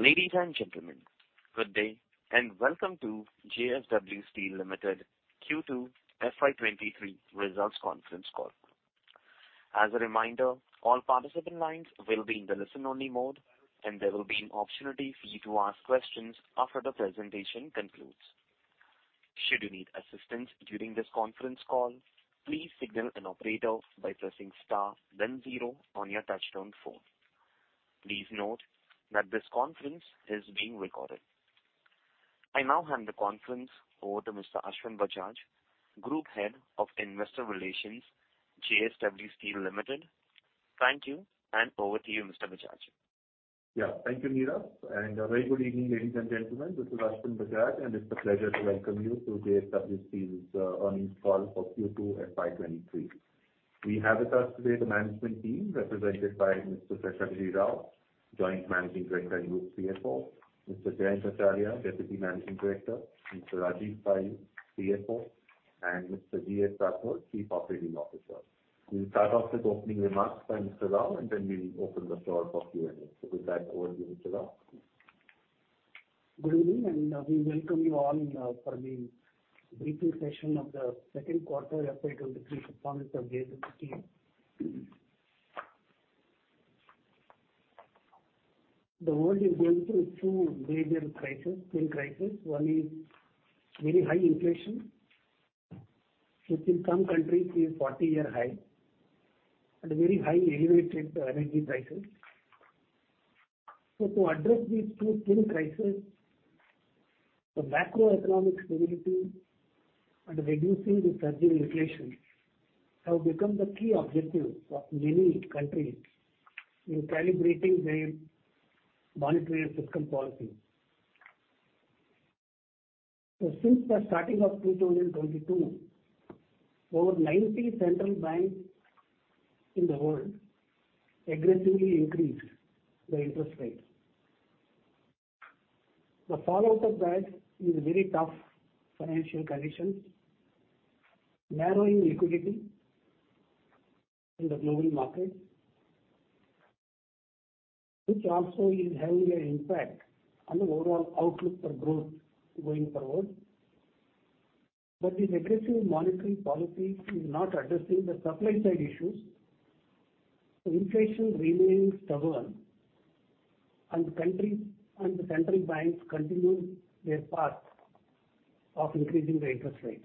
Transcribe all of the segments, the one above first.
Ladies and gentlemen, good day and welcome to JSW Steel Limited Q2 FY23 results conference call. As a reminder, all participant lines will be in the listen-only mode, and there will be an opportunity for you to ask questions after the presentation concludes. Should you need assistance during this conference call, please signal an operator by pressing star then zero on your touchtone phone. Please note that this conference is being recorded. I now hand the conference over to Mr. Ashwin Bajaj, Group Head of Investor Relations, JSW Steel Limited. Thank you, and over to you, Mr. Bajaj. Yeah. Thank you, Neeraj, and a very good evening, ladies and gentlemen. This is Ashwin Bajaj, and it's a pleasure to welcome you to JSW Steel's earnings call for Q2 FY23. We have with us today the management team represented by Mr. Seshagiri Rao, Joint Managing Director and Group CFO, Mr. Jayant Acharya, Deputy Managing Director, Mr. Rajeev Pai, CFO, and Mr. Gajraj Singh Rathore, Chief Operating Officer. We'll start off with opening remarks by Mr. Rao, and then we'll open the floor for Q&A. With that, over to you, Mr. Rao. Good evening, and we welcome you all for the briefing session of the second quarter FY23 performance of JSW Steel. The world is going through two major crises, twin crises. One is very high inflation, which in some countries is 40-year high and very high elevated energy prices. To address these two twin crises, the macroeconomic stability and reducing the surging inflation have become the key objectives of many countries in calibrating their monetary and fiscal policy. Since the starting of 2022, over 90 central banks in the world aggressively increased their interest rates. The fallout of that is very tough financial conditions, narrowing liquidity in the global market, which also is having an impact on the overall outlook for growth going forward. This aggressive monetary policy is not addressing the supply side issues. Inflation remains stubborn in countries, and the central banks continue their path of increasing the interest rates.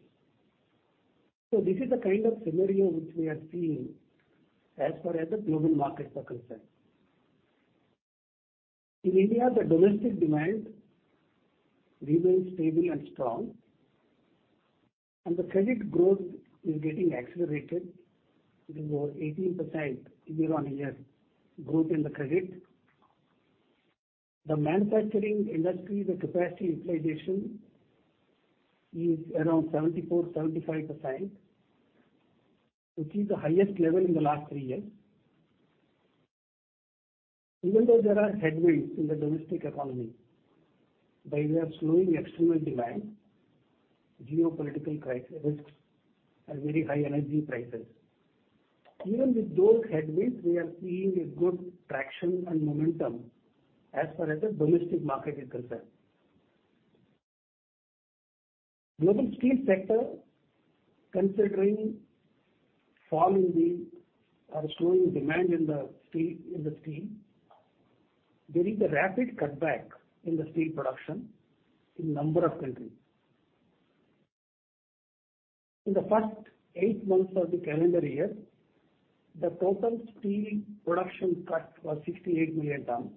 This is the kind of scenario which we are seeing as far as the global market are concerned. In India, the domestic demand remains stable and strong, and the credit growth is getting accelerated with over 18% year-on-year growth in the credit. The manufacturing industry, the capacity utilization is around 74%-75%, which is the highest level in the last three years. Even though there are headwinds in the domestic economy by way of slowing external demand, geopolitical risks and very high energy prices. Even with those headwinds, we are seeing a good traction and momentum as far as the domestic market is concerned. Global steel sector considering fall in the ore or slowing demand in the steel industry. There is a rapid cutback in the steel production in number of countries. In the first eight months of the calendar year, the total steel production cut was 68 million tons.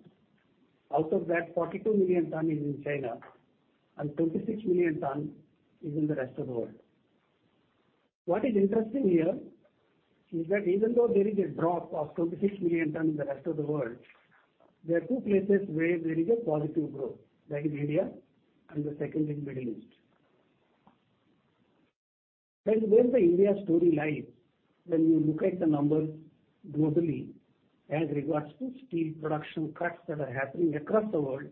Out of that, 42 million tons is in China and 26 million tons is in the rest of the world. What is interesting here is that even though there is a drop of 26 million tons in the rest of the world, there are two places where there is a positive growth. That is India and the second is Middle East. Well, where the India story lies when you look at the numbers globally as regards to steel production cuts that are happening across the world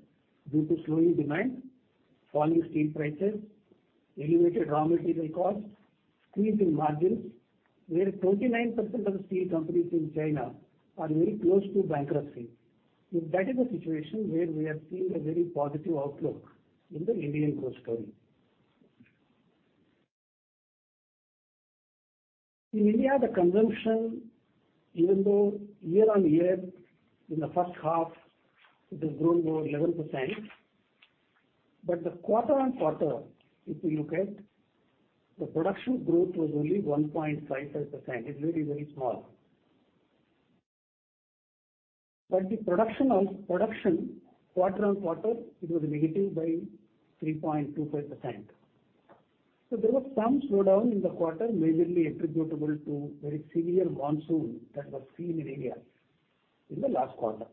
due to slowing demand, falling steel prices, elevated raw material costs, squeezing margins where 29% of the steel companies in China are very close to bankruptcy. If that is the situation where we are seeing a very positive outlook in the Indian growth story. In India, the consumption even though year-on-year in the first half it has grown more 11%. The quarter-on-quarter, if you look at the production growth was only 1.55%. It's really very small. The production quarter-on-quarter it was negative by 3.25%. There was some slowdown in the quarter, mainly attributable to very severe monsoon that was seen in India in the last quarter.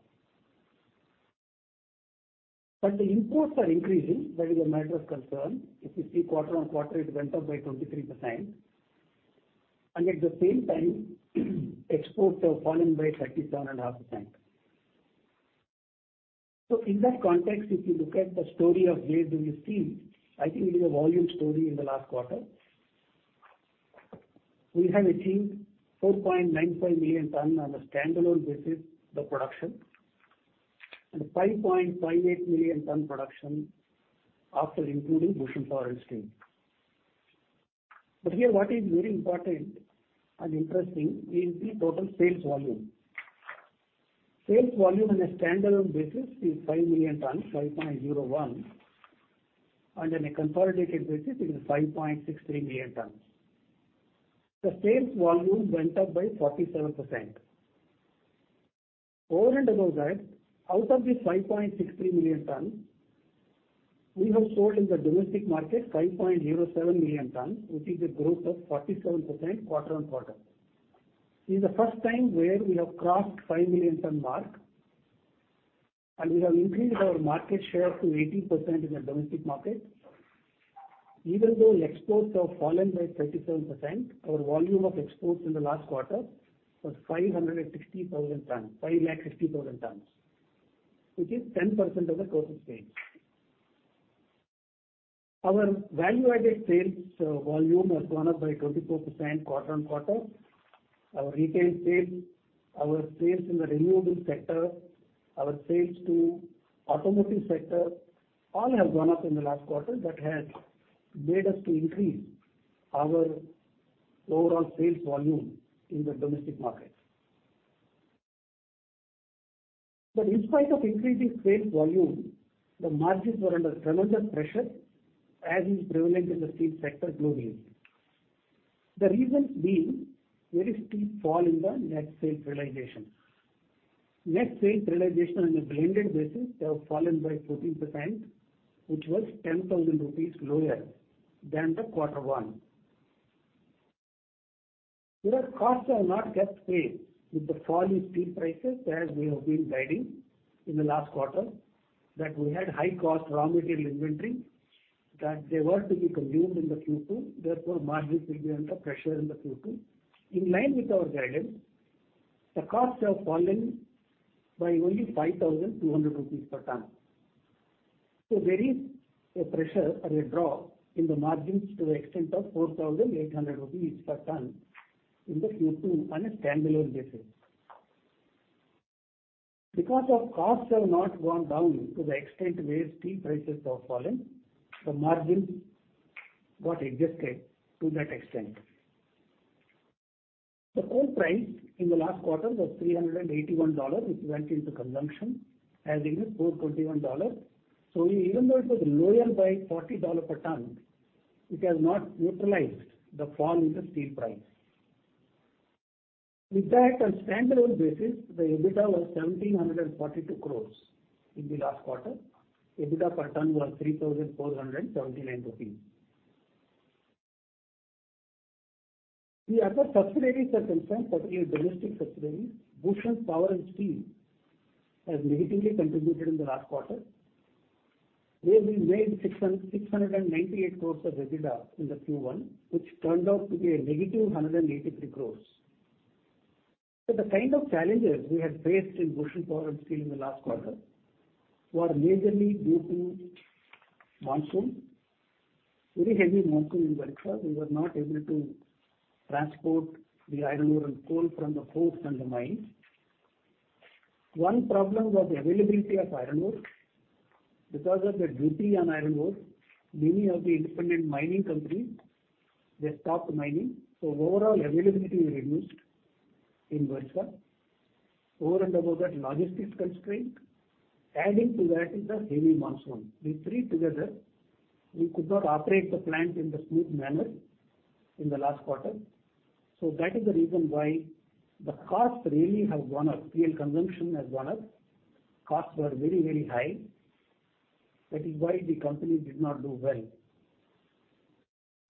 The imports are increasing. That is a matter of concern. If you see quarter-on-quarter, it went up by 23% and at the same time exports have fallen by 37.5%. In that context, if you look at the story of JSW Steel, I think it is a volume story in the last quarter. We have achieved 4.95 million tons on a standalone basis, the production. 5.58 million tons production after including Bhushan Power & Steel. Here what is very important and interesting is the total sales volume. Sales volume on a standalone basis is 5 million tons, 5.01, and in a consolidated basis it is 5.63 million tons. The sales volume went up by 47%. Over and above that, out of this 5.63 million tons, we have sold in the domestic market 5.07 million tons, which is a growth of 47% quarter-on-quarter. This is the first time where we have crossed 5 million ton mark, and we have increased our market share to 18% in the domestic market. Even though exports have fallen by 37%, our volume of exports in the last quarter was 560,000 tons, 5.6 lakh tons, which is 10% of the total sales. Our value-added sales volume has gone up by 24% quarter-over-quarter. Our retail sales, our sales in the renewable sector, our sales to automotive sector, all have gone up in the last quarter. That has made us to increase our overall sales volume in the domestic market. In spite of increasing sales volume, the margins were under tremendous pressure as is prevalent in the steel sector globally. The reasons being very steep fall in the net sales realization. Net sales realization on a blended basis have fallen by 14%, which was 10,000 rupees lower than Q1. Here, costs have not kept pace with the fall in steel prices as they have been lagging in the last quarter that we had high-cost raw material inventory that they were to be consumed in Q2, therefore margins will be under pressure in Q2. In line with our guidance, the costs have fallen by only 5,200 rupees per ton. There is a pressure or a drop in the margins to the extent of 4,800 rupees per ton in Q2 on a standalone basis. Because our costs have not gone down to the extent where steel prices have fallen, the margins got adjusted to that extent. The coal price in the last quarter was $381, which went into consumption as against $421. Even though it was lower by $40 per ton, it has not neutralized the fall in the steel price. With that, on standalone basis, the EBITDA was 1,742 crore in the last quarter. EBITDA per ton was 3,479 rupees. As far as the other subsidiaries are concerned, particularly domestic subsidiaries, Bhushan Power & Steel has negatively contributed in the last quarter. They have made 698 crore of EBITDA in the Q1, which turned out to be a negative 183 crore. The kind of challenges we have faced in Bhushan Power & Steel in the last quarter were majorly due to monsoon. Very heavy monsoon in Odisha, we were not able to transport the iron ore and coal from the ports and the mines. One problem was availability of iron ore. Because of the duty on iron ore, many of the independent mining companies, they stopped mining, so overall availability reduced in Odisha. Over and above that, logistics constraint. Adding to that is the heavy monsoon. These three together, we could not operate the plant in the smooth manner in the last quarter. That is the reason why the costs really have gone up. Fuel consumption has gone up. Costs were very, very high. That is why the company did not do well.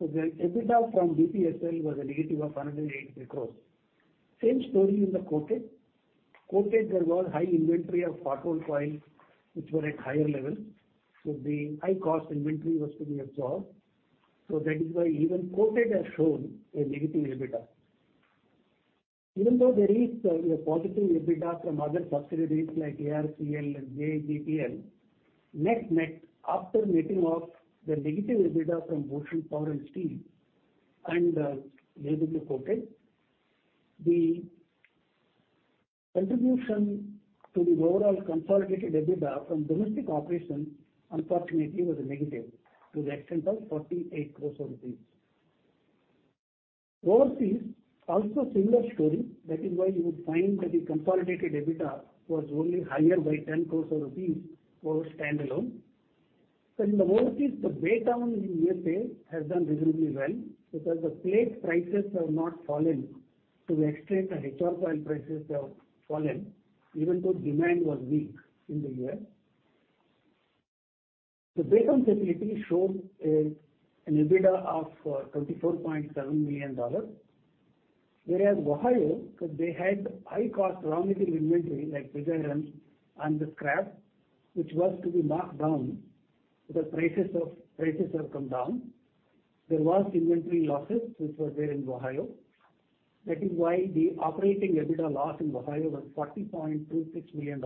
The EBITDA from BPSL was -183 crores. Same story in the coated. Coated, there was high inventory of hot rolled coil, which were at higher levels. The high-cost inventory was to be absorbed. That is why even coated has shown a negative EBITDA. Even though there is a positive EBITDA from other subsidiaries like ARCL and JGPL, net-net, after netting off the negative EBITDA from Bhushan Power & Steel and JSW Steel Coated Products, the contribution to the overall consolidated EBITDA from domestic operations unfortunately was negative to the extent of 48 crore rupees. Overseas, also similar story. That is why you would find that the consolidated EBITDA was only higher by 10 crore rupees over standalone. In the overseas, the Baytown in USA has done reasonably well because the plate prices have not fallen to the extent the HRC prices have fallen even though demand was weak in the year. The Baytown facility showed an EBITDA of $24.7 million, whereas Ohio, because they had high cost raw material inventory like pig iron and the scrap, which was to be marked down because prices have come down. There was inventory losses which were there in Ohio. That is why the operating EBITDA loss in Ohio was $40.26 million.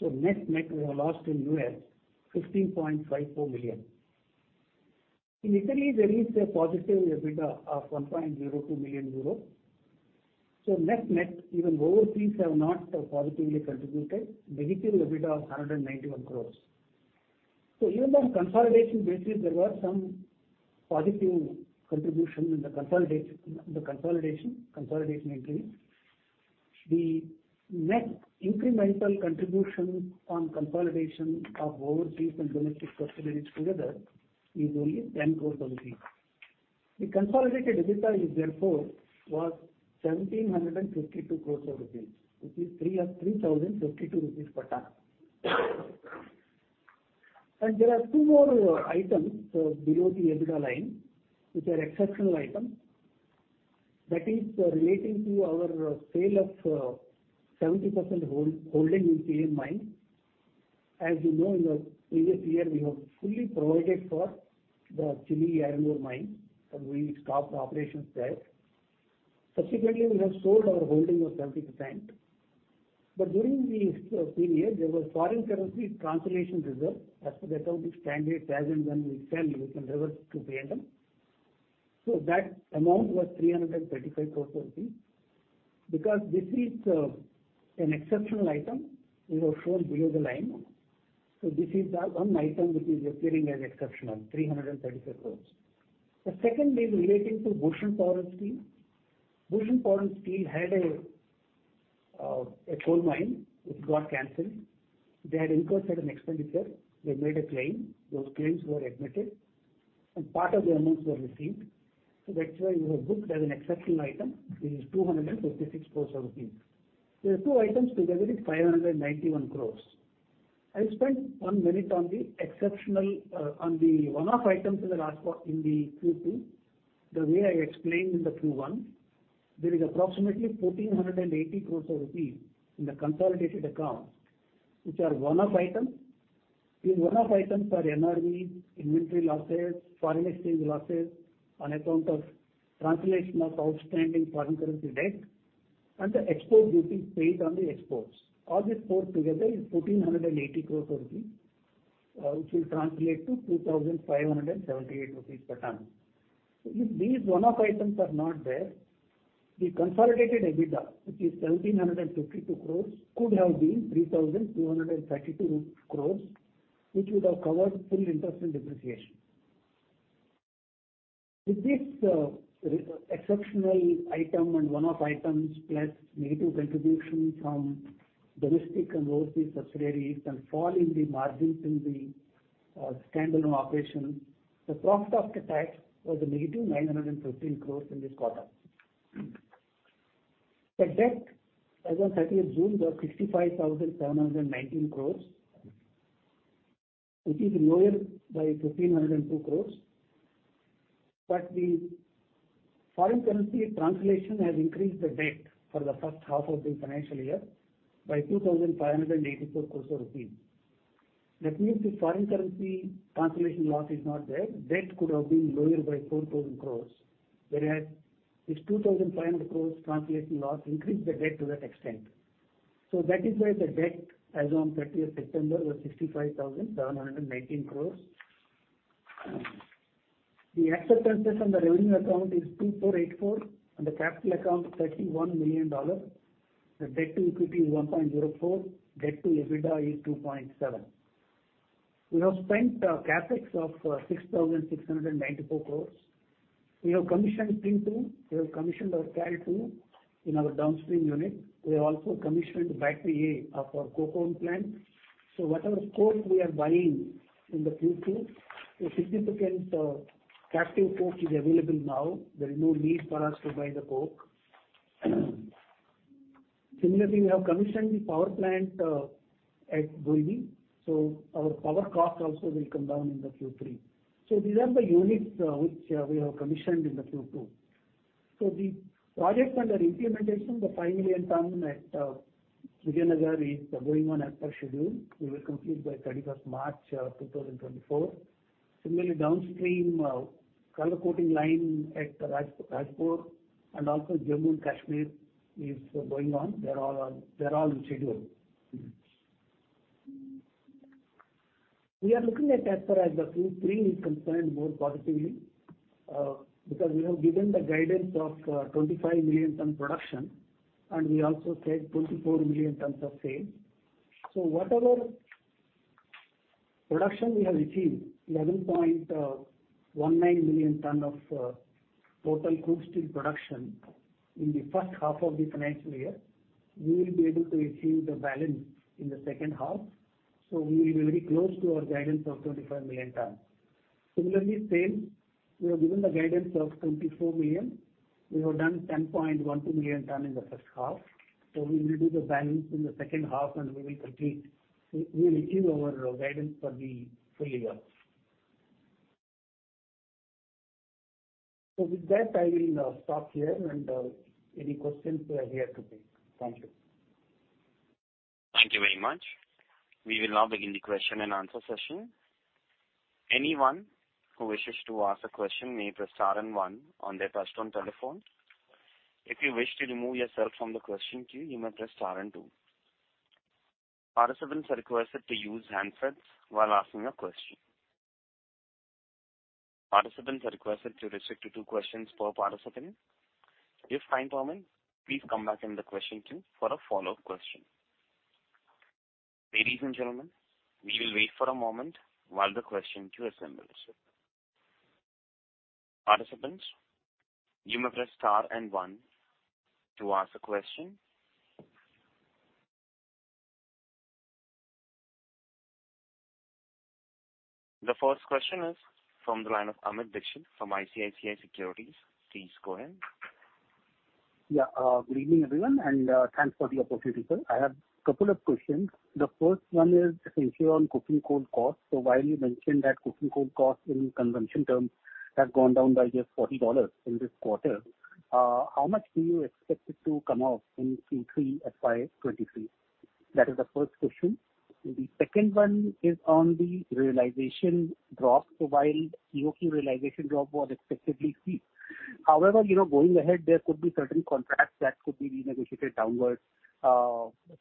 Net we have lost in US $16.54 million. In Italy, there is a positive EBITDA of 1.02 million euros. Net even overseas have not positively contributed, negative EBITDA of 191 crores. Even on consolidation basis, there was some positive contribution in the consolidation earnings. The net incremental contribution on consolidation of overseas and domestic subsidiaries together is only 10 crores rupees only. The consolidated EBITDA is therefore was 1,752 crore rupees, which is 3,052 rupees per ton. There are two more items below the EBITDA line, which are exceptional items. That is relating to our sale of 70% holding in TM Mine. As you know, in the previous year, we have fully provided for the Chile Aramar Mine, and we stopped operations there. Subsequently, we have sold our holding of 70%. During these three years, there was foreign currency translation reserve as per the accounting standard as and when we sell, we can reverse to P&L. That amount was 335 crore rupees. Because this is an exceptional item, we have shown below the line. This is that one item which is appearing as exceptional, 335 crore. The second is relating to Bhushan Power & Steel. Bhushan Power & Steel had a coal mine which got canceled. They had incurred certain expenditure. They made a claim. Those claims were admitted, and part of the amounts were received. That's why we have booked as an exceptional item, which is 256 crore rupees. There are two items together is 591 crore. I'll spend one minute on the exceptional, on the one-off items in the Q2. The way I explained in the Q1, there is approximately 1,480 crore rupees in the consolidated accounts, which are one-off items. These one-off items are NRV, inventory losses, foreign exchange losses on account of translation of outstanding foreign currency debt, and the export duty paid on the exports. All these four together is 1,480 crore rupees, which will translate to 2,578 rupees per ton. If these one-off items are not there, the consolidated EBITDA, which is 1,752 crore, could have been 3,232 crore, which would have covered full interest and depreciation. With this exceptional item and one-off items, plus negative contribution from domestic and overseas subsidiaries and fall in the margins in the standalone operation, the profit after tax was -913 crore in this quarter. The debt as on thirtieth June was 65,719 crore, which is lower by 1,502 crore. The foreign currency translation has increased the debt for the first half of the financial year by 2,584 crores rupees. That means if foreign currency translation loss is not there, debt could have been lower by 4,000 crores. Whereas this 2,500 crores translation loss increased the debt to that extent. that is why the debt as on thirtieth September was 65,719 crores. The acceptances on the revenue account is 2,484, and the capital account, $31 million. The debt to equity is 1.04. Debt to EBITDA is 2.7. We have spent CapEx of 6,694 crores. We have commissioned P2. We have commissioned our CAL2 in our downstream unit. We have also commissioned Battery A of our coke oven plant. Whatever coke we are buying in the Q2, a significant captive coke is available now. There is no need for us to buy the coke. Similarly, we have commissioned the power plant at Bhiwandi, so our power cost also will come down in the Q3. These are the units which we have commissioned in the Q2. The project under implementation, the 5 million ton at Vijayanagar is going on as per schedule. It will complete by 31st March 2024. Similarly, downstream, color coating line at Rajpura and also Jammu and Kashmir is going on. They're all on schedule. We are looking at as far as the Q3 is concerned more positively, because we have given the guidance of 25 million ton production, and we also said 24 million tons of sale. Whatever production we have achieved, 11.19 million ton of total crude steel production in the first half of the financial year, we will be able to achieve the balance in the second half. We will be very close to our guidance of 25 million ton. Similarly, sales, we have given the guidance of 24 million. We have done 10.12 million ton in the first half. We will do the balance in the second half, and we will complete. We will achieve our guidance for the full year. With that, I will stop here, and any questions, we are here to take. Thank you. Thank you very much. We will now begin the question and answer session. Anyone who wishes to ask a question may press star and one on their touch-tone telephone. If you wish to remove yourself from the question queue, you may press star and two. Participants are requested to use handsets while asking a question. Participants are requested to restrict to two questions per participant. If time permits, please come back in the question queue for a follow-up question. Ladies and gentlemen, we will wait for a moment while the question queue assembles. Participants, you may press star and one to ask a question. The first question is from the line of Amit Dixit from ICICI Securities. Please go ahead. Yeah. Good evening, everyone, and thanks for the opportunity, sir. I have a couple of questions. The first one is essentially on coking coal cost. While you mentioned that coking coal cost in consumption terms have gone down by just $40 in this quarter, how much do you expect it to come off in Q3 FY 2023? That is the first question. The second one is on the realization drop. While QoQ realization drop was expectedly steep. However, you know, going ahead, there could be certain contracts that could be renegotiated downwards.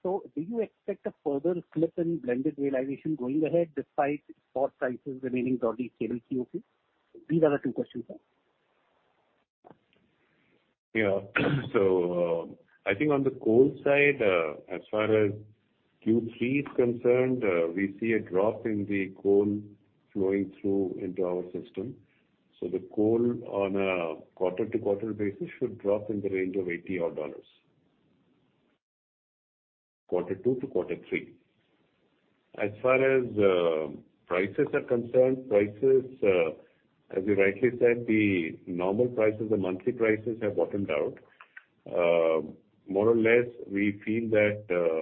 Do you expect a further slip in blended realization going ahead, despite spot prices remaining broadly stable QoQ? These are the two questions, sir. Yeah. I think on the coal side, as far as Q3 is concerned, we see a drop in the coal flowing through into our system. The coal on a quarter-over-quarter basis should drop in the range of $80-odd. Quarter two to quarter three. As far as prices are concerned, as you rightly said, the normal prices, the monthly prices have bottomed out. More or less, we feel that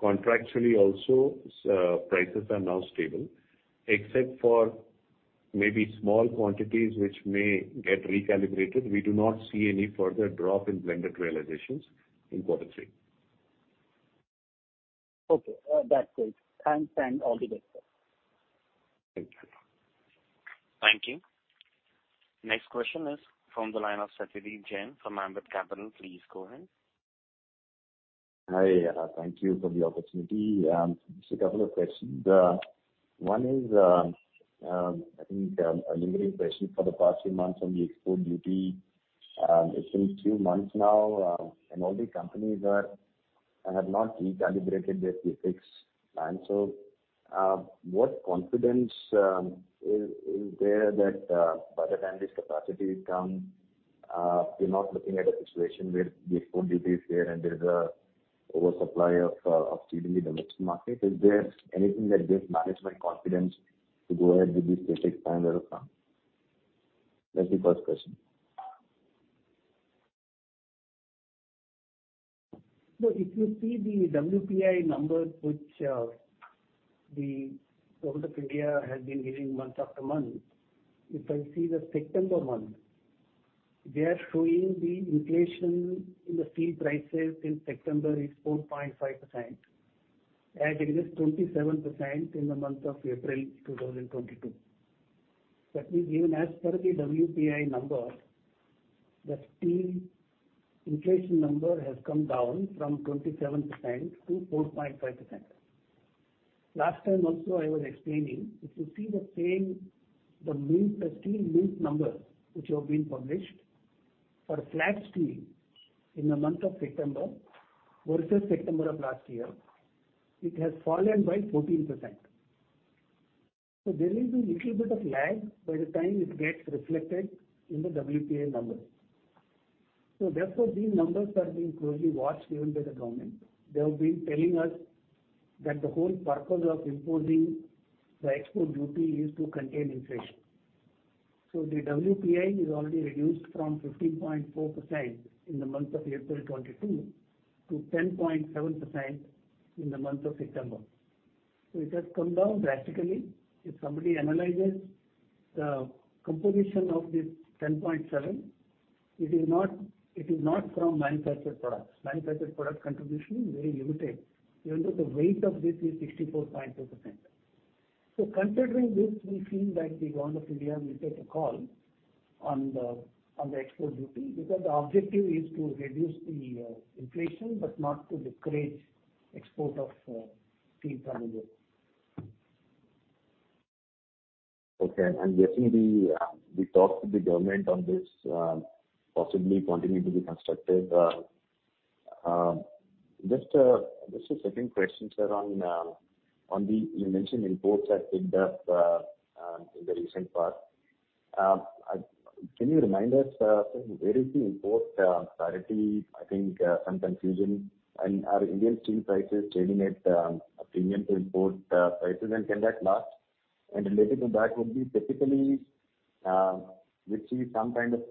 contractually also, prices are now stable, except for maybe small quantities which may get recalibrated. We do not see any further drop in blended realizations in quarter three. Okay. That's great. Thanks and all the best, sir. Thank you. Thank you. Next question is from the line of Satyadeep Jain from Ambit Capital. Please go ahead. Hi. Thank you for the opportunity. Just a couple of questions. One is, I think, a lingering question for the past few months on the export duty. It's been two months now, and all the companies have not recalibrated their CapEx. What confidence is there that, by the time this capacity comes, we're not looking at a situation where the export duty is there and there's an oversupply of steel in the domestic market? Is there anything that gives management confidence to go ahead with this CapEx plan that has come? That's the first question. If you see the WPI numbers which the Government of India has been giving month after month, if I see the September month, they are showing the inflation in the steel prices in September is 4.5%, as against 27% in the month of April 2022. That means even as per the WPI number, the steel inflation number has come down from 27% to 4.5%. Last time also I was explaining, if you see the same, the SteelMint numbers which have been published for flat steel in the month of September versus September of last year, it has fallen by 14%. Therefore, these numbers are being closely watched even by the government. They have been telling us that the whole purpose of imposing the export duty is to contain inflation. The WPI is already reduced from 15.4% in the month of April 2022 to 10.7% in the month of September. It has come down drastically. If somebody analyzes the composition of this 10.7%, it is not from manufactured products. Manufactured product contribution is very limited, even though the weight of this is 64.2%. Considering this, we feel that the Government of India will take a call on the export duty because the objective is to reduce the inflation but not to degrade export of steel from India. Getting the talk to the government on this possibly continue to be constructive. Just a second question, sir. You mentioned imports have picked up in the recent past. Can you remind us where is the import parity? I think some confusion. Are Indian steel prices trading at a premium to import prices and can that last? Related to that would be typically we see some kind of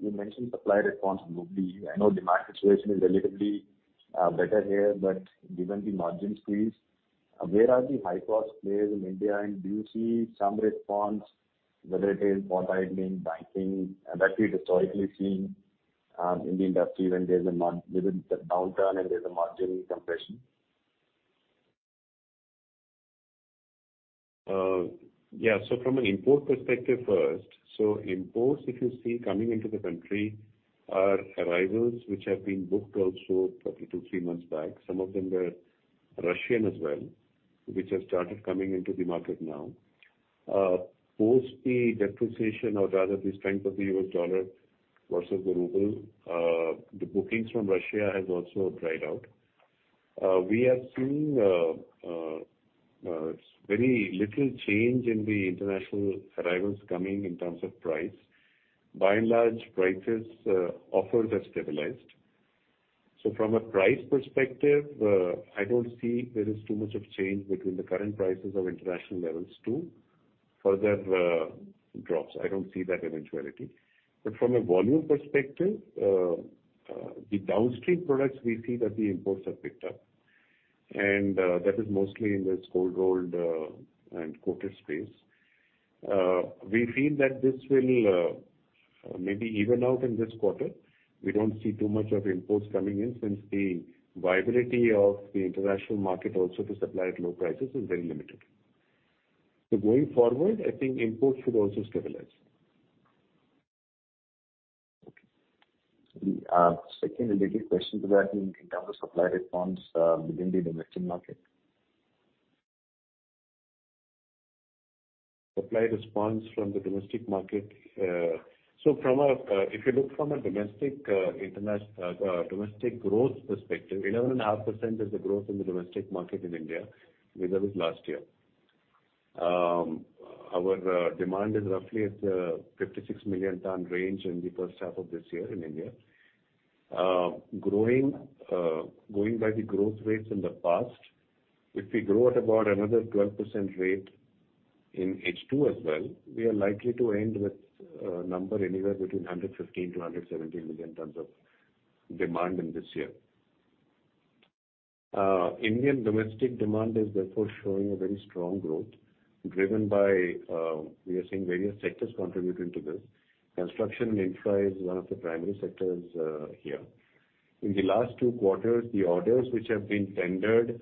supply response would be. I know demand situation is relatively better here. Given the margin squeeze, where are the high cost players in India, and do you see some response, whether it is plant idling, banking, that we've historically seen in the industry when there's a downturn and there's a margin compression. Yeah. From an import perspective first. Imports, if you see coming into the country, are arrivals which have been booked also probably two, three months back. Some of them were Russian as well, which have started coming into the market now. Post the depreciation or rather the strength of the U.S. dollar versus the rupee, the bookings from Russia has also dried out. We have seen very little change in the international arrivals coming in terms of price. By and large, prices, offers have stabilized. From a price perspective, I don't see there is too much of change between the current prices of international levels to further, drops. I don't see that eventuality. From a volume perspective, the downstream products we see that the imports have picked up. That is mostly in this cold-rolled and coated space. We feel that this will maybe even out in this quarter. We don't see too much of imports coming in since the viability of the international market also to supply at low prices is very limited. Going forward, I think imports should also stabilize. Okay. The second related question to that in terms of supply response within the domestic market. Supply response from the domestic market. If you look from a domestic growth perspective, 11.5% is the growth in the domestic market in India vis-à-vis last year. Our demand is roughly at 56 million ton range in the first half of this year in India. Going by the growth rates in the past, if we grow at about another 12% rate in H2 as well, we are likely to end with a number anywhere between 115 million-170 million tons of demand in this year. Indian domestic demand is therefore showing a very strong growth driven by we are seeing various sectors contributing to this. Construction and infra is one of the primary sectors here. In the last two quarters, the orders which have been tendered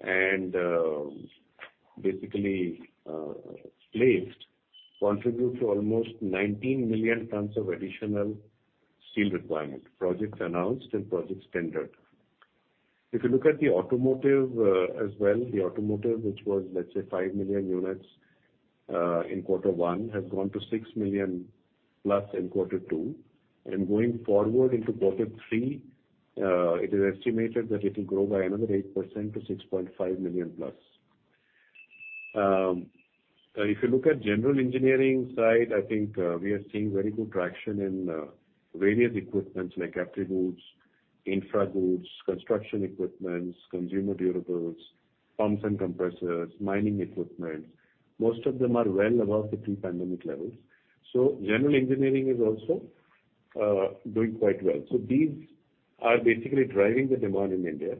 and basically placed contribute to almost 19 million tons of additional steel requirement, projects announced and projects tendered. If you look at the automotive as well, the automotive, which was, let's say 5 million units in quarter one, has grown to 6 million-plus in quarter two. Going forward into quarter three, it is estimated that it will grow by another 8% to 6.5 million plus. If you look at general engineering side, I think we are seeing very good traction in various equipments like agri goods, infra goods, construction equipments, consumer durables, pumps and compressors, mining equipment. Most of them are well above the pre-pandemic levels. General engineering is also doing quite well. These are basically driving the demand in India.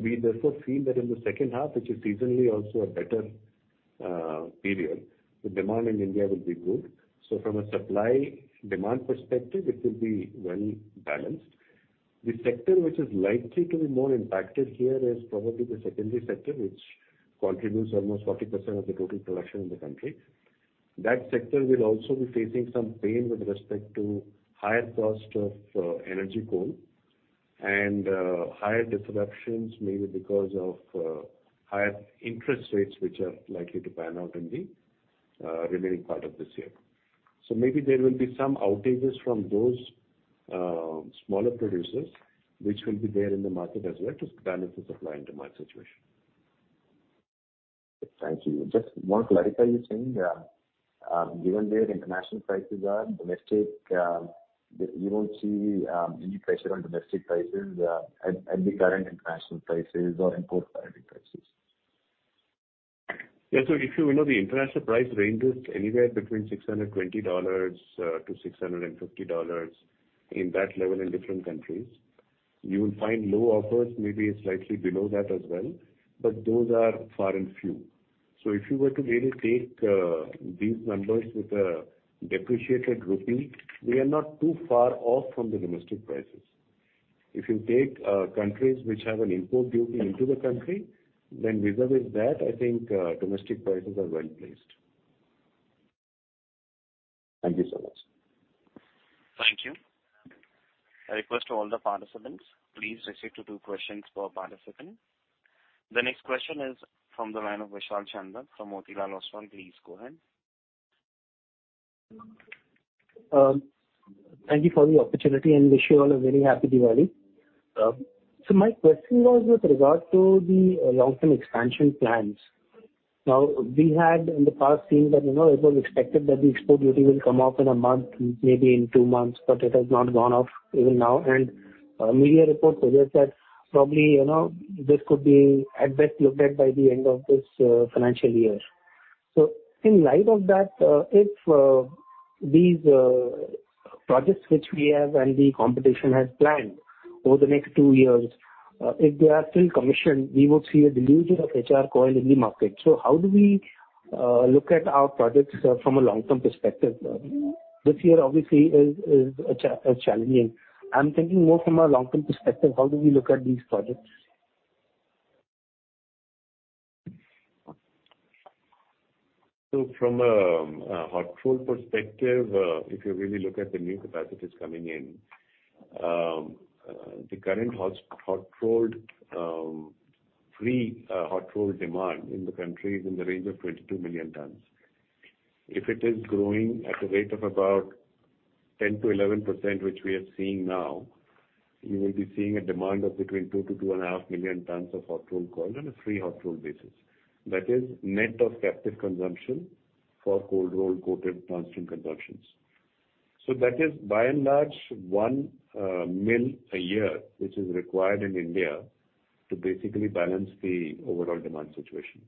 We therefore feel that in the second half, which is seasonally also a better period, the demand in India will be good. From a supply demand perspective, it will be well balanced. The sector which is likely to be more impacted here is probably the secondary sector, which contributes almost 40% of the total production in the country. That sector will also be facing some pain with respect to higher cost of energy coal and higher disruptions maybe because of higher interest rates, which are likely to pan out in the remaining part of this year. Maybe there will be some outages from those smaller producers which will be there in the market as well to balance the supply and demand situation. Thank you. Just want to clarify, you're saying, given where international prices are domestic, that you don't see any pressure on domestic prices, at the current international prices or import parity prices? Yeah. If you know the international price ranges anywhere between $620-$650 in that level in different countries. You will find low offers maybe slightly below that as well, but those are far and few. If you were to really take, these numbers with a depreciated rupee, we are not too far off from the domestic prices. If you take, countries which have an import duty into the country, then vis-a-vis that, I think, domestic prices are well-placed. Thank you so much. Thank you. A request to all the participants. Please restrict to two questions per participant. The next question is from the line of Vishal Tulsyan from Motilal Oswal. Please go ahead. Thank you for the opportunity and wish you all a very happy Diwali. So my question was with regard to the long-term expansion plans. Now, we had in the past seen that, you know, it was expected that the export duty will come off in a month, maybe in two months, but it has not gone off even now. Media reports suggest that probably, you know, this could be at best looked at by the end of this financial year. In light of that, if these projects which we have and the competition has planned over the next two years, if they are still commissioned, we will see a deluge of HRC in the market. So how do we look at our projects from a long-term perspective? This year obviously is challenging. I'm thinking more from a long-term perspective, how do we look at these projects? From a hot rolled perspective, if you really look at the new capacities coming in, the current hot rolled flat hot rolled demand in the country is in the range of 22 million tonnes. If it is growing at a rate of about 10%-11%, which we are seeing now, you will be seeing a demand of between 2 million-2.5 million tonnes of hot rolled coil on a free hot roll basis. That is net of captive consumption for cold roll coated downstream consumptions. That is by and large 1 million a year, which is required in India to basically balance the overall demand situation.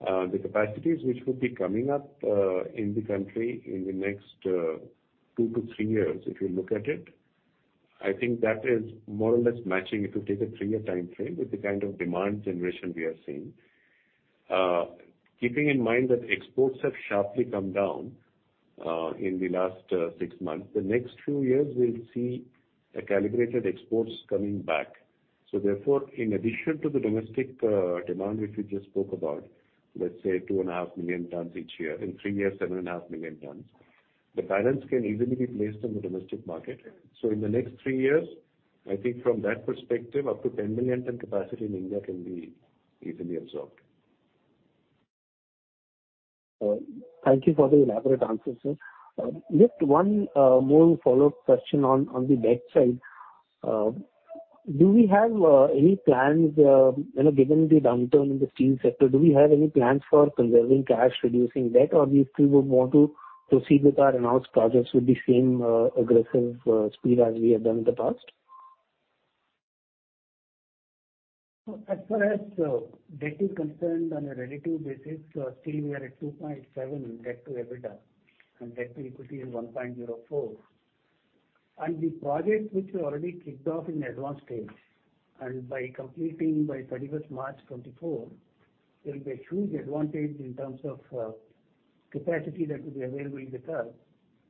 The capacities which would be coming up in the country in the next 2-3 years, if you look at it, I think that is more or less matching, if you take a three-year timeframe, with the kind of demand generation we are seeing. Keeping in mind that exports have sharply come down in the last six months. The next few years we'll see a calibrated exports coming back. Therefore, in addition to the domestic demand which we just spoke about, let's say 2.5 million tonnes each year, in three years 7.5 million tonnes, the balance can easily be placed in the domestic market. In the next three years, I think from that perspective, up to 10 million tonnes capacity in India can be easily absorbed. Thank you for the elaborate answer, sir. Just one more follow-up question on the debt side. Do we have any plans, you know, given the downturn in the steel sector, do we have any plans for conserving cash, reducing debt, or we still would want to proceed with our announced projects with the same aggressive speed as we have done in the past? As far as debt is concerned on a relative basis, still we are at 2.7 debt to EBITDA, and debt to equity is 1.04. The project which we already kicked off in advanced stage, and by completing by March 31st, 2024, there will be a huge advantage in terms of capacity that will be available with us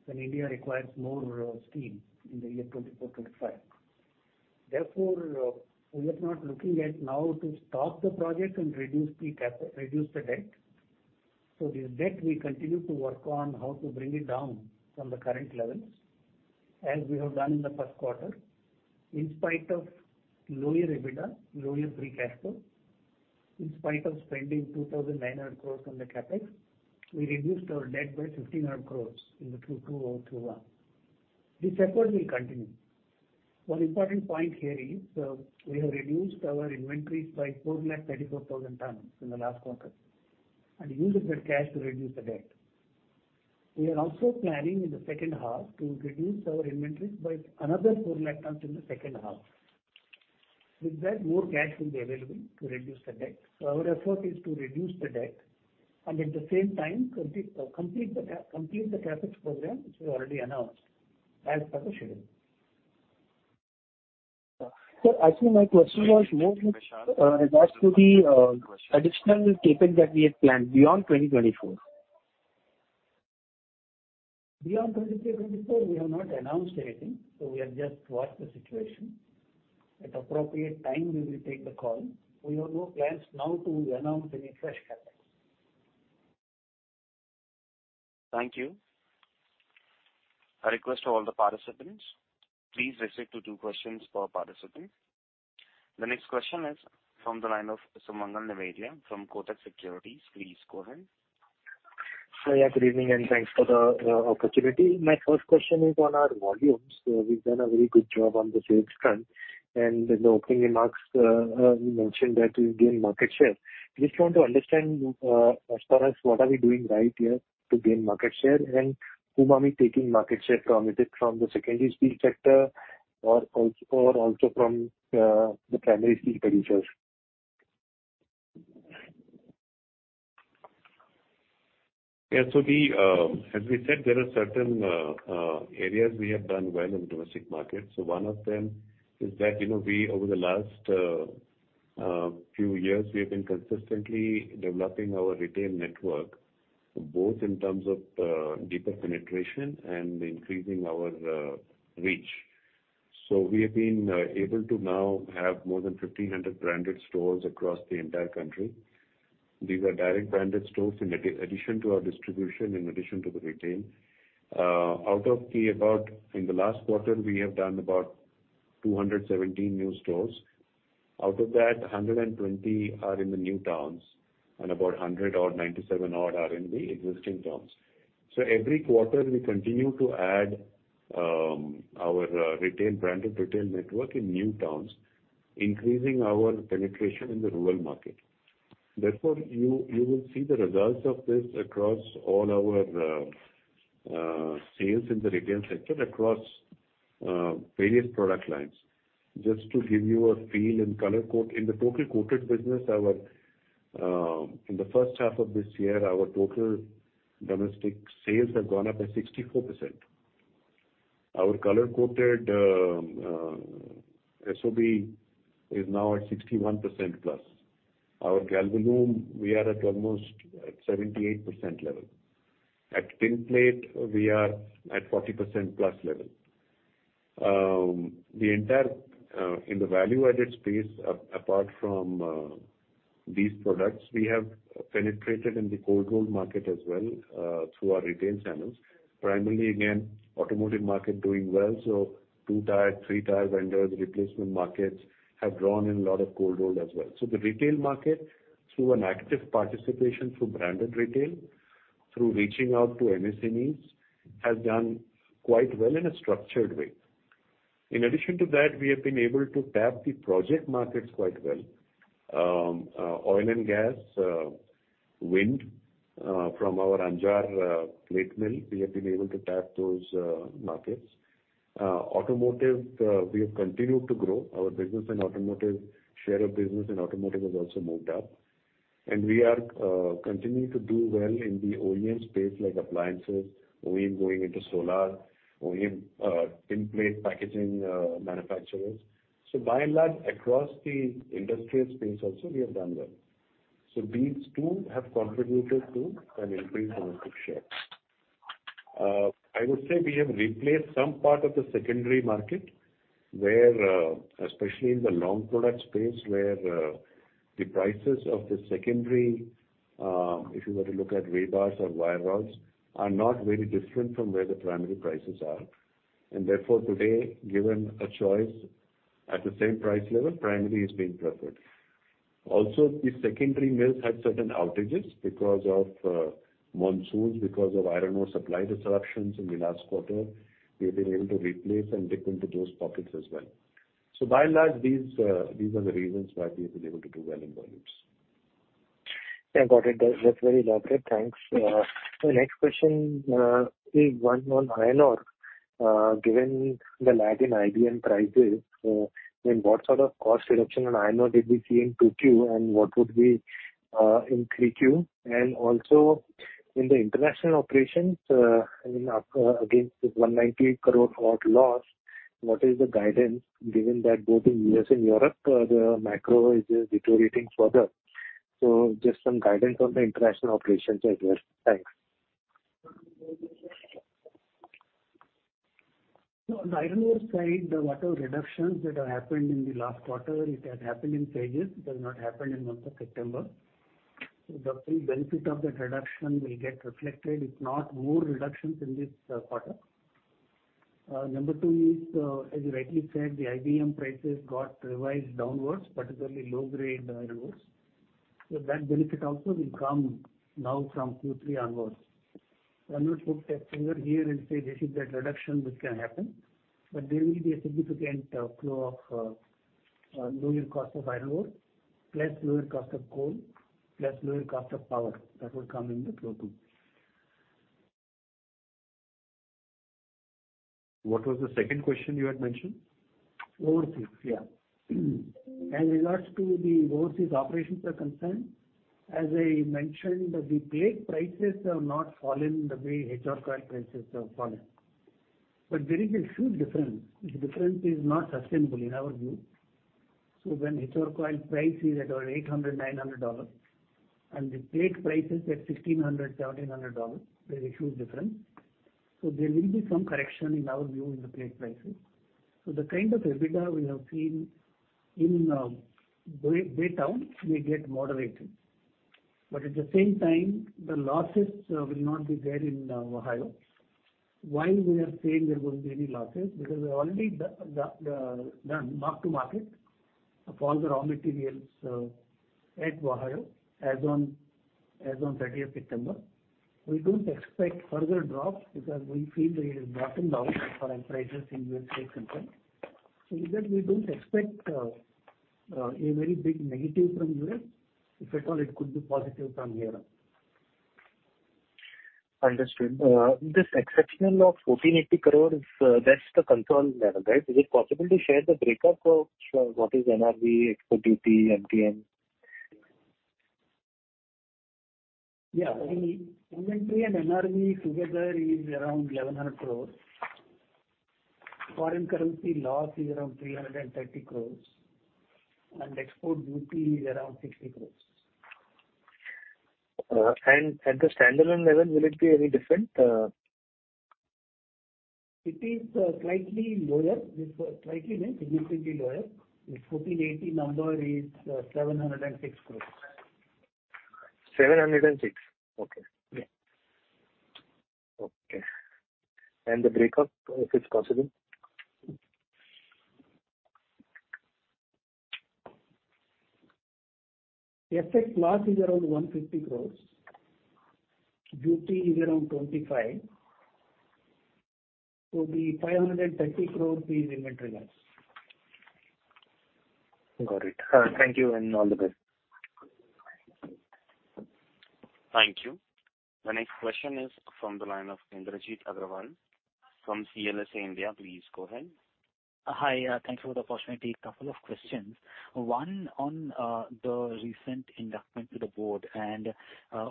when India requires more steel in the year 2024, 2025. Therefore, we are not looking at now to stop the project and reduce the debt. The debt we continue to work on how to bring it down from the current levels, as we have done in the first quarter. In spite of lower EBITDA, lower free cash flow, in spite of spending 2,900 crores on the CapEx, we reduced our debt by 1,500 crores in 2021. This effort will continue. One important point here is, we have reduced our inventories by 434,000 tonnes in the last quarter, and used that cash to reduce the debt. We are also planning in the second half to reduce our inventories by another 400,000 tonnes in the second half. With that, more cash will be available to reduce the debt. Our effort is to reduce the debt and at the same time complete the CapEx program, which we already announced as per the schedule. Sir, actually my question was more with regards to the additional CapEx that we had planned beyond 2024. Beyond 2024, we have not announced anything, so we have just watched the situation. At appropriate time, we will take the call. We have no plans now to announce any fresh CapEx. Thank you. A request to all the participants, please restrict to two questions per participant. The next question is from the line of Sumangal Nevatia from Kotak Securities. Please go ahead. Yeah, good evening, and thanks for the opportunity. My first question is on our volumes. So we've done a very good job on the sales front, and in the opening remarks, you mentioned that we gain market share. I just want to understand, as far as what are we doing right here to gain market share and whom are we taking market share from? Is it from the secondary steel sector or also from the primary steel producers? Yeah. As we said, there are certain areas we have done well in domestic markets. One of them is that, you know, we over the last few years, we have been consistently developing our retail network, both in terms of deeper penetration and increasing our reach. We have been able to now have more than 1,500 branded stores across the entire country. These are direct branded stores in addition to our distribution, in addition to the retail. In the last quarter, we have done about 217 new stores. Out of that, 120 are in the new towns, and about 197 odd are in the existing towns. Every quarter we continue to add our retail-branded retail network in new towns, increasing our penetration in the rural market. Therefore, you will see the results of this across all our sales in the retail sector across various product lines. Just to give you a feel in Colour CAO. In the total coated business, our in the first half of this year, our total- Domestic sales have gone up by 64%. Our color-coated SOB is now at 61%+. Our Galvalume, we are almost at 78% level. At tin plate we are at 40%+ level. The entire in the value-added space, apart from these products, we have penetrated in the cold roll market as well, through our retail channels. Primarily again, automotive market doing well, so two-tier, three-tier vendors, replacement markets have drawn in a lot of cold roll as well. The retail market, through an active participation through branded retail, through reaching out to MSMEs, has done quite well in a structured way. In addition to that, we have been able to tap the project markets quite well. Oil and gas, wind, from our Anjar plate mill, we have been able to tap those markets. Automotive, we have continued to grow our business in automotive. Share of business in automotive has also moved up. We are continuing to do well in the OEM space like appliances, OEM going into solar, OEM, tin plate packaging manufacturers. By and large across the industrial space also we have done well. These two have contributed to an increased domestic share. I would say we have replaced some part of the secondary market where, especially in the long product space, where, the prices of the secondary, if you were to look at rebars or wire rods, are not very different from where the primary prices are. Therefore, today, given a choice at the same price level, primary is being preferred. Also, the secondary mills had certain outages because of monsoons, because of iron ore supply disruptions in the last quarter. We have been able to replace and dip into those pockets as well. By and large, these are the reasons why we have been able to do well in volumes. Yeah, got it. That's very elaborate. Thanks. Next question is one on iron ore. Given the lag in IBM prices, I mean, what sort of cost reduction on iron ore did we see in 2Q and what would be in 3Q? And also in the international operations, I mean, against this 190 crore odd loss, what is the guidance given that both in U.S. and Europe the macro is just deteriorating further. Just some guidance on the international operations as well. Thanks. No, on iron ore side, the whatever reductions that have happened in the last quarter, it has happened in phases. It has not happened in month of September. So the full benefit of that reduction will get reflected if not more reductions in this quarter. Number two is, as you rightly said, the IBM prices got revised downwards, particularly low-grade iron ores. So that benefit also will come now from Q3 onwards. I'm not sure to speculate here and say this is that reduction which can happen. But there will be a significant flow of lower cost of iron ore plus lower cost of coal, plus lower cost of power that will come in the flow too. What was the second question you had mentioned? Overseas. Yeah. As far as the overseas operations are concerned, as I mentioned, the plate prices have not fallen the way HRC coil prices have fallen. There is a huge difference. The difference is not sustainable in our view. When HRC coil price is at around $800-$900 and the plate price is at $1,500-$1,700, there's a huge difference. There will be some correction in our view in the plate prices. The kind of EBITDA we have seen in Ohio may get moderated. At the same time, the losses will not be there in Ohio. Why we are saying there won't be any losses? Because we've already done the mark-to-market of all the raw materials at Ohio as on September 30th. We don't expect further drop because we feel we have bottomed out for our prices insofar as the U.S. is concerned. With that, we don't expect a very big negative from U.S. If at all, it could be positive from here. Understood. This exceptional of 1,480 crores, that's the consolidated level, right? Is it possible to share the breakup of what is NRV, export duty, NPN? Yeah. I mean, inventory and NRV together is around 1,100 crores. Foreign currency loss is around 330 crores, and export duty is around 60 crores. At the standalone level, will it be any different? It is slightly lower. It's slightly, no, significantly lower. This 1480 number is INR 706 crores. inr 706 crores. Okay. Yeah. Okay. The breakup, if it's possible. FX loss is around 150 crores. Duty is around 25 crores. 530 crores is inventory loss. Got it. Thank you and all the best. Thank you. The next question is from the line of Indrajit Agarwal from CLSA India. Please go ahead. Hi, thank you for the opportunity. A couple of questions. One on the recent induction to the Board and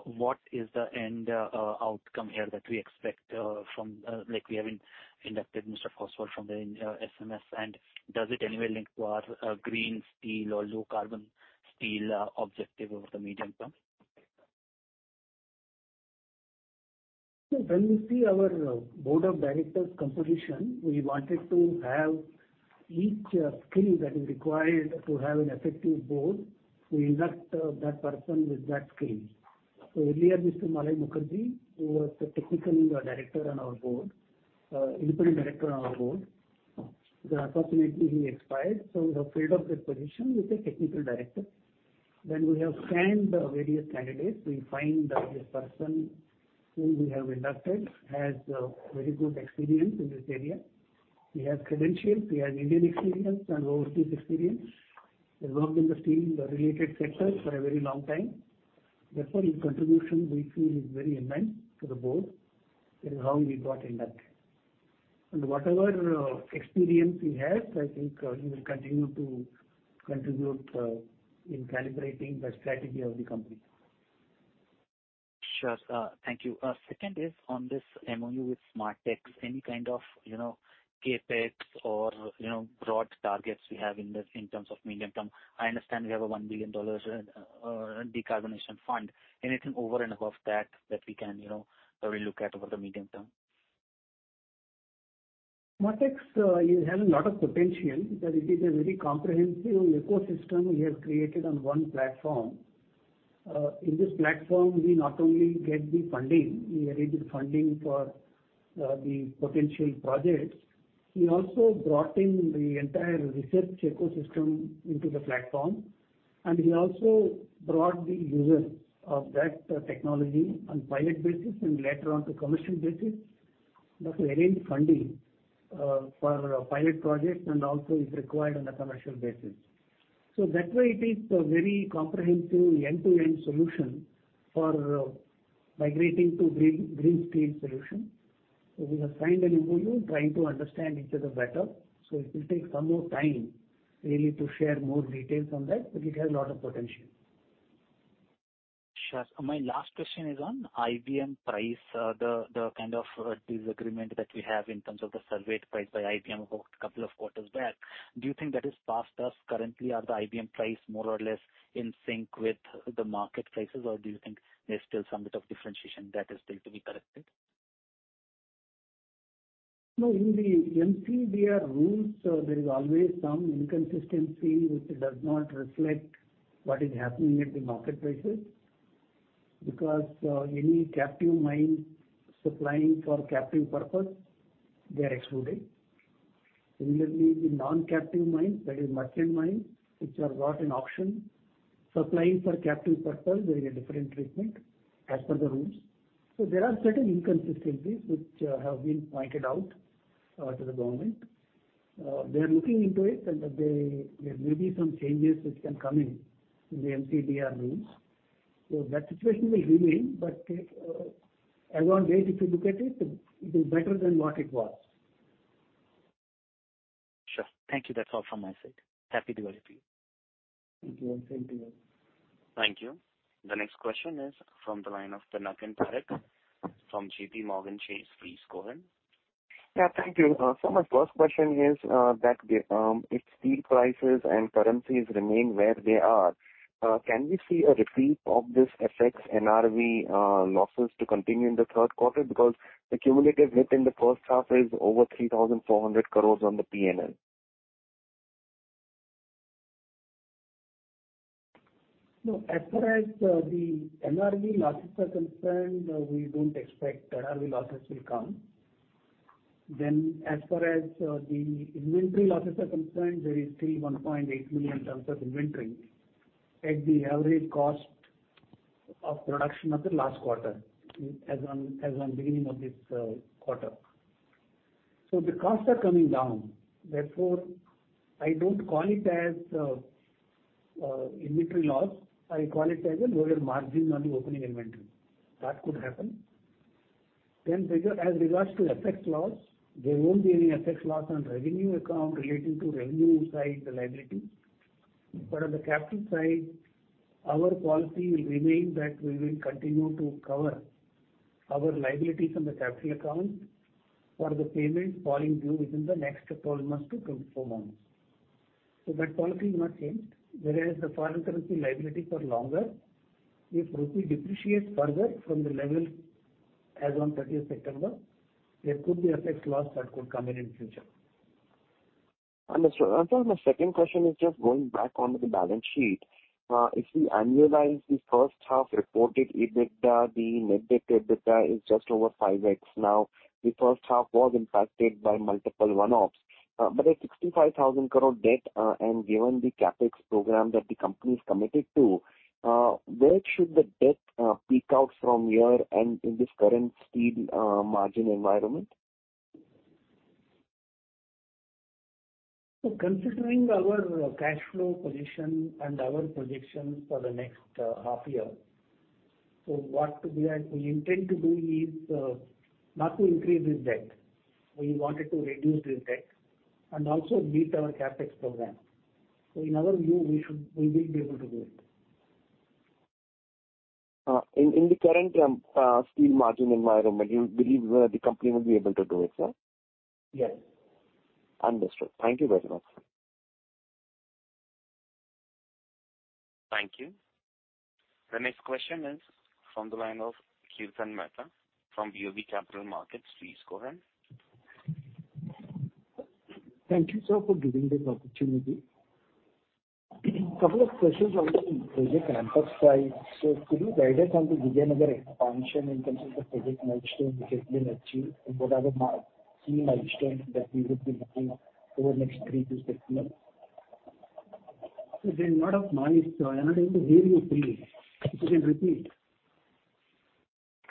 what is the intended outcome here that we expect from like we have inducted Mr. Fosford from the SMS. Does it anywhere link to our green steel or low carbon steel objective over the medium term? When we see our Board of Directors composition, we wanted to have each skill that is required to have an effective board. We induct that person with that skill. Earlier, Mr. Malay Mukherjee, who was the technical director on our board, independent director on our board, then unfortunately he expired, so we have filled up this position with a technical director. We have scanned the various candidates. We find that this person whom we have inducted has very good experience in this area. He has credentials, he has Indian experience and overseas experience. He's worked in the steel related sectors for a very long time. Therefore, his contribution, we feel, is very immense to the board. This is how we got induct. Whatever experience he has, I think he will continue to contribute in calibrating the strategy of the company. Sure. Thank you. Second is on this MOU with Smartex. Any kind of, you know, CapEx or, you know, broad targets we have in this in terms of medium term. I understand we have a $1 billion decarbonization fund. Anything over and above that we can, you know, probably look at over the medium term. Smartex, it has a lot of potential because it is a very comprehensive ecosystem we have created on one platform. In this platform we not only get the funding, we arrange the funding for the potential projects. We also brought in the entire research ecosystem into the platform, and we also brought the users of that technology on pilot basis and later on to commercial basis. That arranged funding for pilot projects and also is required on a commercial basis. That way it is a very comprehensive end-to-end solution for migrating to green steel solution. We have signed an MOU trying to understand each other better. It will take some more time really to share more details on that, but it has a lot of potential. Sure. My last question is on IBM price, the kind of disagreement that we have in terms of the surveyed price by IBM about a couple of quarters back. Do you think that is past us currently? Are the IBM price more or less in sync with the market prices, or do you think there's still some bit of differentiation that is still to be corrected? No, in the MMDR rules, there is always some inconsistency which does not reflect what is happening at the market prices. Because any captive mine supplying for captive purpose, they are excluded. Similarly, the non-captive mines, that is merchant mines, which are bought in auction, supplying for captive purpose, there is a different treatment as per the rules. There are certain inconsistencies which have been pointed out to the government. They are looking into it and there may be some changes which can come in the MMDR rules. That situation will remain, but as on date, if you look at it is better than what it was. Sure. Thank you. That's all from my side. Happy Diwali to you. Thank you. Same to you. Thank you. The next question is from the line of Pinakin Parekh from JPMorgan Chase. Please go ahead. Yeah, thank you. My first question is if steel prices and currencies remain where they are, can we see a repeat of this FX NRV losses to continue in the third quarter because the cumulative hit in the first half is over 3,400 crores on the P&L? No, as far as the NRV losses are concerned, we don't expect NRV losses will come. As far as the inventory losses are concerned, there is still 1.8 million tons of inventory at the average cost of production of the last quarter as on beginning of this quarter. The costs are coming down. Therefore, I don't call it as inventory loss. I call it as a lower margin on the opening inventory. That could happen. As regards to FX loss, there won't be any FX loss on revenue account relating to revenue side liability. On the capital side, our policy will remain that we will continue to cover our liabilities on the capital account for the payments falling due within the next 12 months to 24 months. That policy not changed. Whereas the foreign currency liability for longer, if rupee depreciates further from the level as on September 30th, there could be FX loss that could come in future. Understood. Sir, my second question is just going back onto the balance sheet. If we annualize the first half reported EBITDA, the net debt EBITDA is just over 5x. Now, the first half was impacted by multiple one-offs. At 65,000 crore debt, and given the CapEx program that the company is committed to, where should the debt peak out from here and in this current steel margin environment? Considering our cash flow position and our projections for the next half year, what we intend to do is not to increase this debt. We wanted to reduce this debt and also meet our CapEx program. In our view, we will be able to do it. In the current steel margin environment, you believe the company will be able to do it, sir? Yes. Understood. Thank you very much. Thank you. The next question is from the line of Kirtan Mehta from BOB Capital Markets. Please go ahead. Thank you, sir, for giving this opportunity. Couple of questions on the project ramp-up side. Could you guide us on the Vijayanagar expansion in terms of the project milestones which have been achieved and what are the key milestones that we would be looking over next 3-6 months? Sir, there's a lot of noise. I'm not able to hear you clearly. If you can repeat?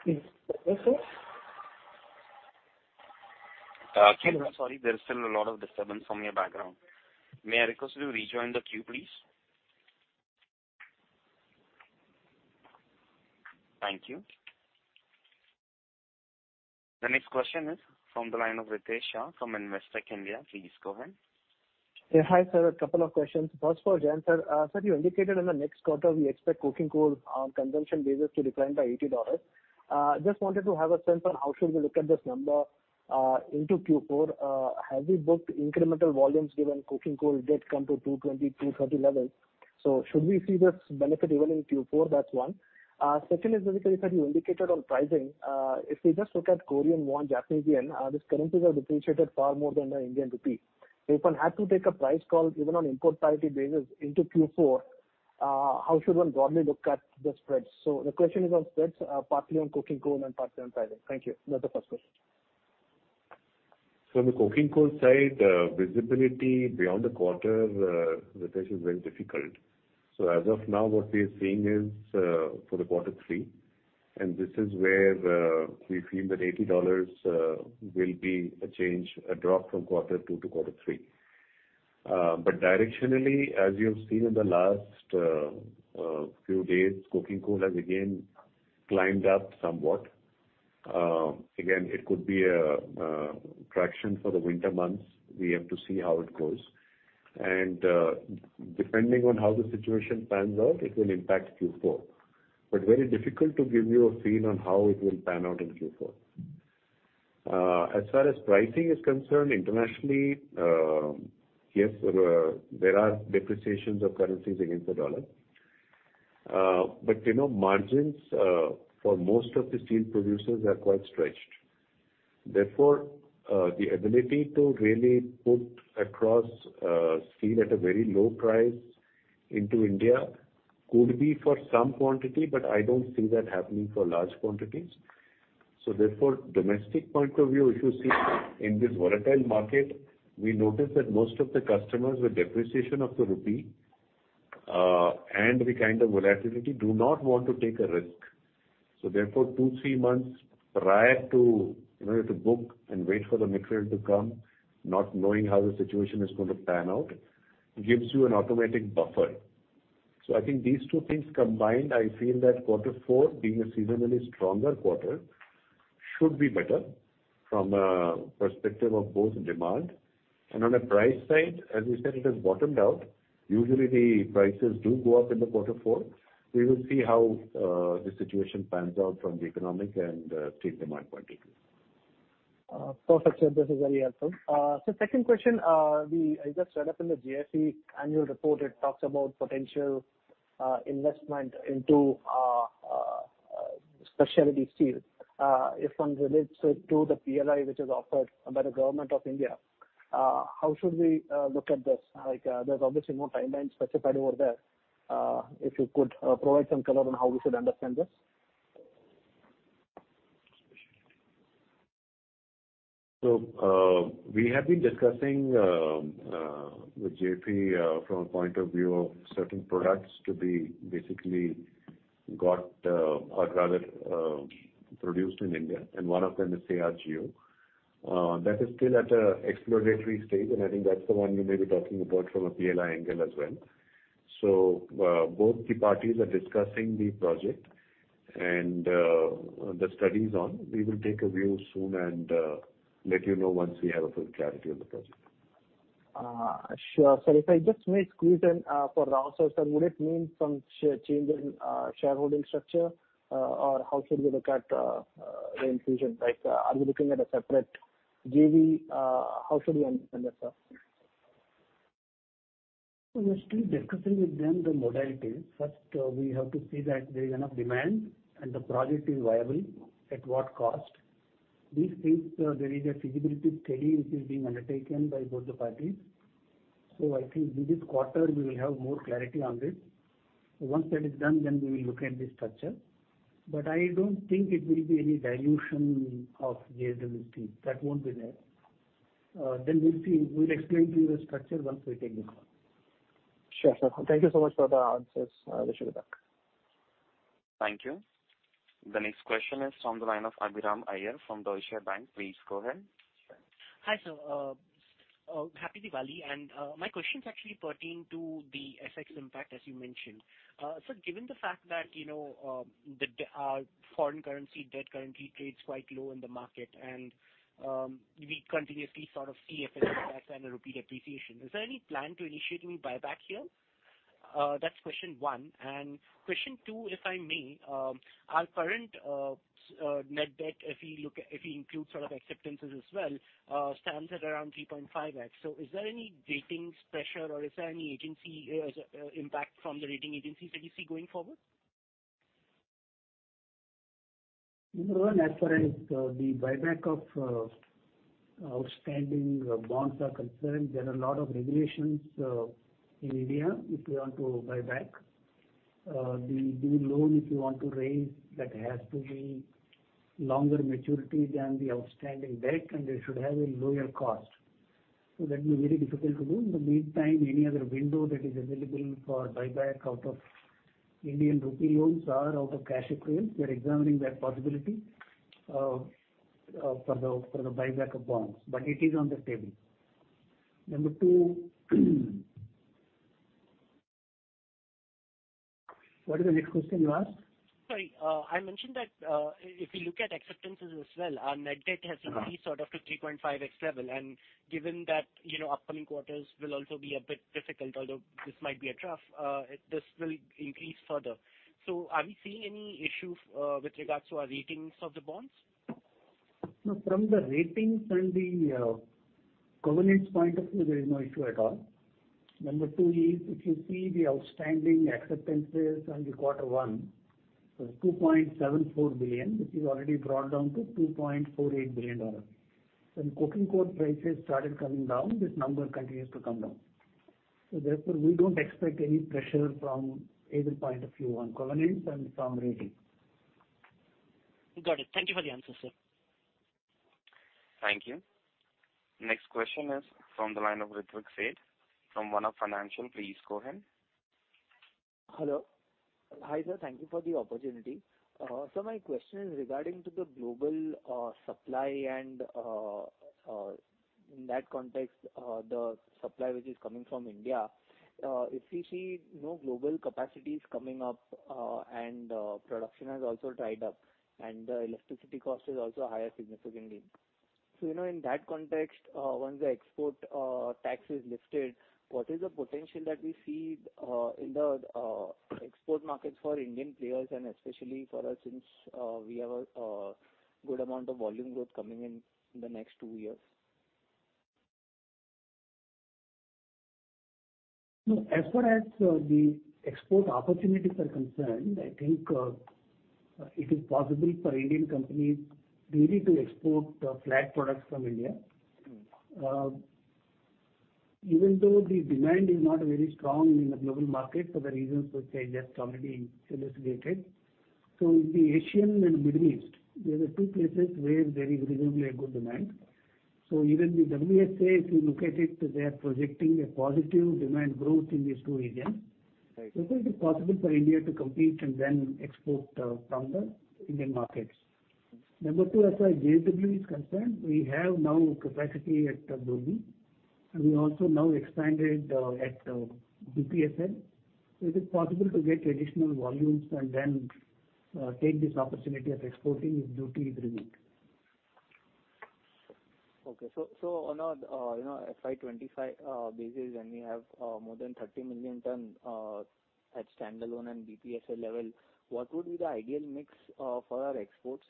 Yes. Hello, sir. Kirtan, sorry, there's still a lot of disturbance from your background. May I request you to rejoin the queue, please? Thank you. The next question is from the line of Ritesh Shah from Investec India. Please go ahead. Yeah. Hi, sir, a couple of questions. First for Jayant, sir. Sir, you indicated in the next quarter we expect coking coal consumption basis to decline by $80. Just wanted to have a sense on how should we look at this number into Q4? Have we booked incremental volumes given coking coal did come to $220, $230 levels? Should we see this benefit even in Q4? That's one. Second is basically, sir, you indicated on pricing. If we just look at Korean won, Japanese yen, these currencies are depreciated far more than the Indian rupee. If one had to take a price call even on import parity basis into Q4, how should one broadly look at the spreads? The question is on spreads, partly on coking coal and partly on pricing. Thank you. That's the first question. On the coking coal side, visibility beyond the quarter, Ritesh, is very difficult. As of now, what we are seeing is, for the quarter three, and this is where, we feel that $80 will be a change, a drop from quarter two to quarter three. But directionally, as you have seen in the last, few days, coking coal has again climbed up somewhat. Again, it could be a traction for the winter months. We have to see how it goes. Depending on how the situation pans out, it will impact Q4. Very difficult to give you a feel on how it will pan out in Q4. As far as pricing is concerned internationally, yes, there are depreciations of currencies against the dollar. You know, margins for most of the steel producers are quite stretched. Therefore, the ability to really put across steel at a very low price into India could be for some quantity, but I don't see that happening for large quantities. Domestic point of view, if you see in this volatile market, we notice that most of the customers with depreciation of the rupee and the kind of volatility do not want to take a risk. Two, three months prior to, you know, you have to book and wait for the material to come, not knowing how the situation is going to pan out, gives you an automatic buffer. I think these two things combined, I feel that quarter four being a seasonally stronger quarter should be better from a perspective of both demand. On the price side, as we said, it has bottomed out. Usually the prices do go up in the quarter four. We will see how the situation pans out from the economic and steel demand point of view. Perfect, sir. This is very helpful. Second question. I just read up in the JSW annual report, it talks about potential investment into specialty steel. If one relates it to the PLI which is offered by the Government of India, how should we look at this? Like, there's obviously no timeline specified over there. If you could provide some color on how we should understand this? We have been discussing with JFE from a point of view of certain products to be basically got, or rather, produced in India, and one of them is CRGO. That is still at a exploratory stage, and I think that's the one you may be talking about from a PLI angle as well. Both the parties are discussing the project and the study is on. We will take a view soon and let you know once we have a full clarity on the project. If I just may squeeze in, for Rao, sir. Sir, would it mean some change in shareholding structure? Or how should we look at the inclusion? Like, are we looking at a separate JV? How should we understand that, sir? We are still discussing with them the modalities. First, we have to see that there is enough demand and the project is viable, at what cost. These things, there is a feasibility study which is being undertaken by both the parties. I think with this quarter we will have more clarity on this. Once that is done, then we will look at the structure. I don't think it will be any dilution of JSW Steel. That won't be there. We'll see. We'll explain to you the structure once we take the call. Sure, sir. Thank you so much for the answers. Wish you good luck. Thank you. The next question is from the line of Abhiram Iyer from Deutsche Bank. Please go ahead. Hi, sir. Happy Diwali. My question is actually pertain to the FX impact, as you mentioned. Given the fact that, you know, the foreign currency debt. Currency trades quite low in the market, and we continuously sort of see FX and rupee depreciation, is there any plan to initiating buyback here? That's question one. Question two, if I may, our current net debt, if you look at, if you include sort of acceptances as well, stands at around 3.5x. So is there any ratings pressure or is there any agency impact from the rating agencies that you see going forward? Number one, as far as the buyback of outstanding bonds are concerned, there are a lot of regulations in India if you want to buy back. The loan, if you want to raise, that has to be longer maturity than the outstanding debt, and they should have a lower cost. That'll be very difficult to do. In the meantime, any other window that is available for buyback out of Indian rupee loans or out of cash equivalents, we are examining that possibility for the buyback of bonds. It is on the table. Number two. What is the next question you asked? Sorry. I mentioned that, if you look at acceptances as well, our net debt has increased sort of to 3.5x level. Given that, you know, upcoming quarters will also be a bit difficult, although this might be a trough, this will increase further. Are we seeing any issue with regards to our ratings of the bonds? No, from the ratings and the governance point of view, there is no issue at all. Number two is, if you see the outstanding acceptances on the quarter one was $2.74 billion, which is already brought down to $2.48 billion. When coking coal prices started coming down, this number continues to come down. We don't expect any pressure from either point of view on covenants and from rating. Got it. Thank you for the answer, sir. Thank you. Next question is from the line of Ritwik Sheth from One Up Financial. Please go ahead. Hello. Hi, sir. Thank you for the opportunity. My question is regarding the global supply and in that context the supply which is coming from India. If we see, you know, global capacities coming up and production has also dried up and electricity cost is also higher significantly. You know, in that context, once the export tax is lifted, what is the potential that we see in the export markets for Indian players and especially for us since we have a good amount of volume growth coming in in the next two years? No, as far as the export opportunities are concerned, I think it is possible for Indian companies really to export flat products from India. Mm-hmm. Even though the demand is not very strong in the global market for the reasons which I just already illustrated. The Asia and Middle East, there are two places where there is reasonably a good demand. Even the WSA, if you look at it, they are projecting a positive demand growth in these two regions. Right. I think it's possible for India to compete and then export from the Indian markets. Number two, as far as JSW is concerned, we have new capacity at Joda, and we also now expanded at BPSL. It is possible to get additional volumes and then take this opportunity of exporting with duty rebate. On a, you know, FY25 basis, and we have more than 30 million tons at standalone and BPSL level, what would be the ideal mix for our exports?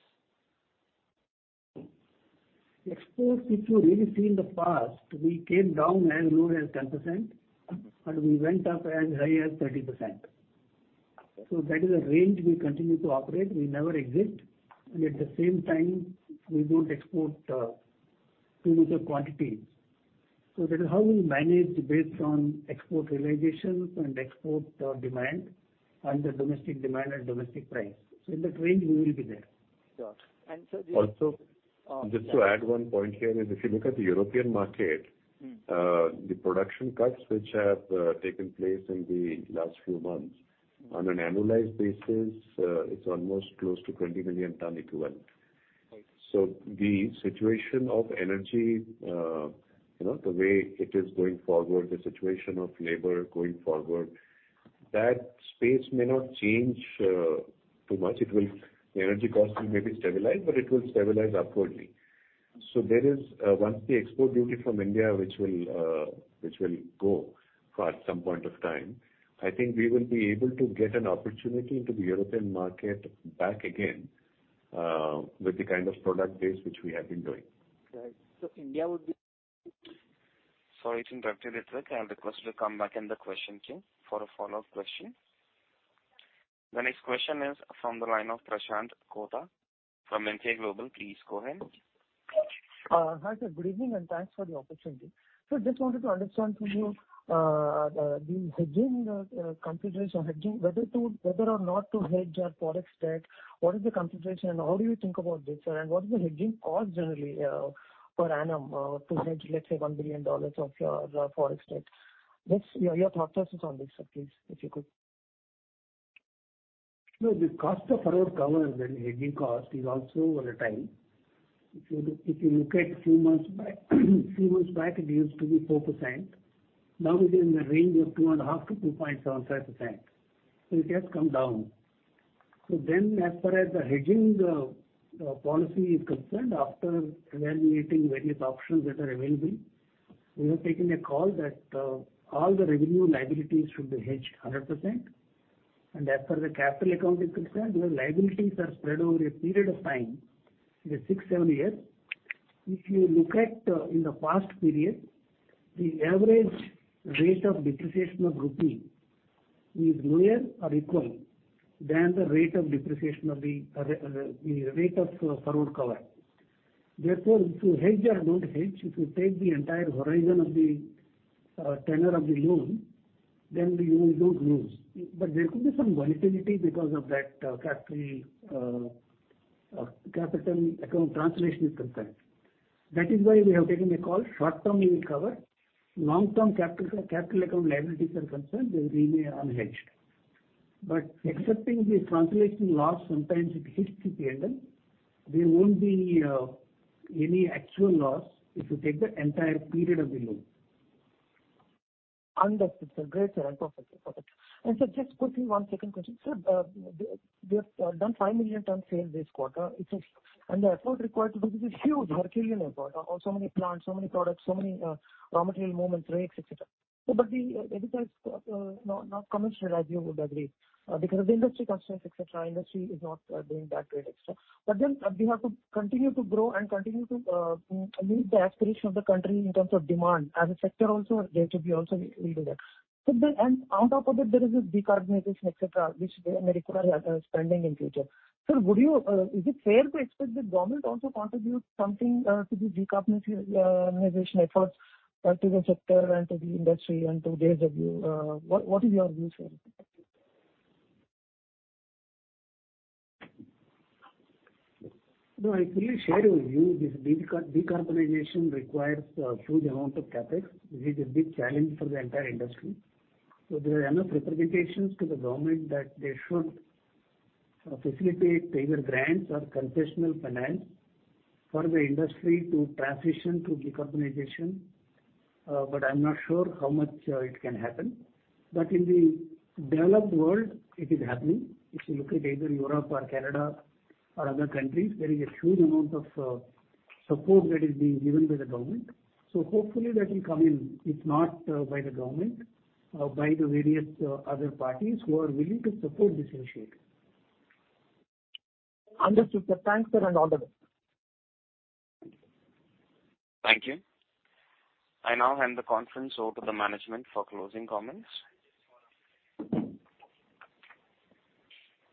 Exports, if you really see in the past, we came down as low as 10%, and we went up as high as 30%. That is a range we continue to operate. We never exit. At the same time, we don't export too little quantities. That is how we manage based on export realizations and export demand and the domestic demand and domestic price. In that range, we will be there. Got it. Also, just to add one point here is if you look at the European market. Mm-hmm. The production cuts which have taken place in the last few months, on an annualized basis, it's almost close to 20 million tons equivalent. Right. The situation of energy, the way it is going forward, the situation of labor going forward, that space may not change too much. The energy costs will maybe stabilize, but it will stabilize upwardly. There is, once the export duty from India, which will go at some point of time, I think we will be able to get an opportunity into the European market back again, with the kind of product base which we have been doing. Right. India would be. Sorry to interrupt you, Ritwik. I'll request you to come back in the question queue for a follow-up question. The next question is from the line of Prashant Kothari from Emkay Global. Please go ahead. Hi, sir. Good evening, and thanks for the opportunity. Just wanted to understand from you the hedging considerations, whether or not to hedge our forex debt. What is the consideration and how do you think about this? What is the hedging cost generally per annum to hedge, let's say, $1 billion of your forex debt? What's your thought process on this, sir, please, if you could? No, the cost of forward cover, the hedging cost is also volatile. If you look at few months back, it used to be 4%. Now it is in the range of 2.5%-2.75%. It has come down. Then as far as the hedging policy is concerned, after evaluating various options that are available, we have taken a call that all the revenue liabilities should be hedged 100%. As per the capital account is concerned, your liabilities are spread over a period of time, say 6-7 years. If you look at in the past period, the average rate of depreciation of rupee is lower or equal than the rate of depreciation of the rate of forward cover. Therefore, if you hedge or don't hedge, if you take the entire horizon of the tenure of the loan, then you don't lose. There could be some volatility because of that factor as far as capital account translation is concerned. That is why we have taken a call. Short-term we will cover. As far as long-term capital account liabilities are concerned, they will remain unhedged. Excepting the translation loss, sometimes it hits the P&L. There won't be any actual loss if you take the entire period of the loan. Understood, sir. Great, sir. Perfect. Sir, just quickly one second question. Sir, we have done 5 million ton sales this quarter. The effort required to do this is huge, herculean effort. So many plants, so many products, so many raw material movements, rates, et cetera. The EBITDA is not commissioned as you would agree because of the industry constraints, et cetera. Industry is not doing that great, et cetera. We have to continue to grow and continue to meet the aspiration of the country in terms of demand. As a sector also, they should be also leading that. On top of it, there is this decarbonization, et cetera, which may require spending in future. Sir, would you, is it fair to expect the government also contribute something, to the decarbonization efforts, to the sector and to the industry and to JSW? What is your view, sir? No, I fully share your view. This decarbonization requires a huge amount of CapEx, which is a big challenge for the entire industry. There are enough representations to the government that they should facilitate either grants or concessional finance for the industry to transition to decarbonization. I'm not sure how much it can happen. In the developed world, it is happening. If you look at either Europe or Canada or other countries, there is a huge amount of support that is being given by the government. Hopefully that will come in, if not by the government, by the various other parties who are willing to support this initiative. Understood, sir. Thanks, sir, and all the best. Thank you. I now hand the conference over to the management for closing comments.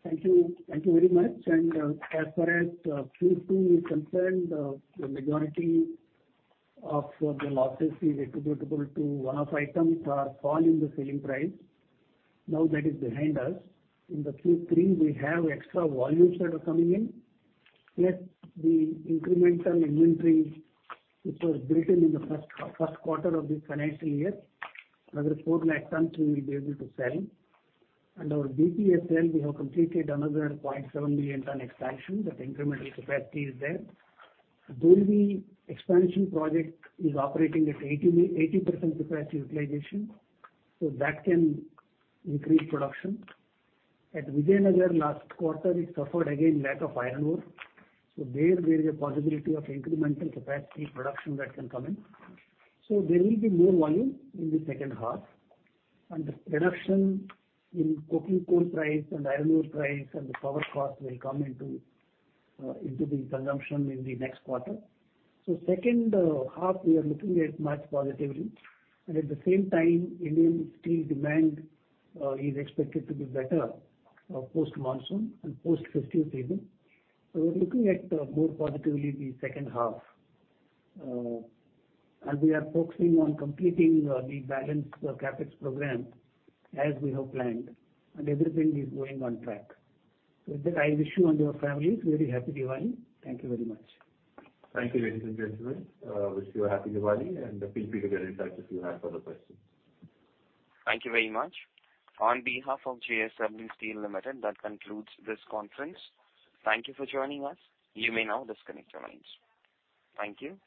Thank you. Thank you very much. As far as Q2 is concerned, the majority of the losses is attributable to one-off items or fall in the selling price. Now that is behind us. In the Q3, we have extra volumes that are coming in, plus the incremental inventory which was built in the first quarter of this financial year. Another 4 lakh tons we will be able to sell. Our BPSL, we have completed another 0.7 million ton expansion. That incremental capacity is there. Dolvi expansion project is operating at 80% capacity utilization, so that can increase production. At Vijayanagar last quarter, it suffered again lack of iron ore. There is a possibility of incremental capacity production that can come in. There will be more volume in the second half. The reduction in coking coal price and iron ore price and the power cost will come into the consumption in the next quarter. Second half we are looking at much positively. At the same time, Indian steel demand is expected to be better post-monsoon and post festive season. We're looking at more positively the second half. We are focusing on completing the balance CapEx program as we have planned, and everything is going on track. With that, I wish you and your families very happy Diwali. Thank you very much. Thank you, ladies and gentlemen. Wish you a happy Diwali, and feel free to get in touch if you have further questions. Thank you very much. On behalf of JSW Steel Limited, that concludes this conference. Thank you for joining us. You may now disconnect your lines. Thank you.